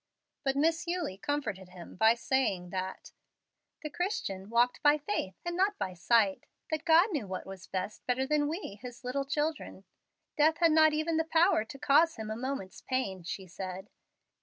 But Miss Eulie comforted him by saying that "the Christian walked by faith, and not by sight that God knew what was best, better than we, His little children. "Death had not even the power to cause him a moment's pain," she said.